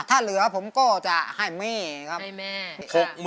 ถ้าเหลือผมก็จะให้แม่ครับ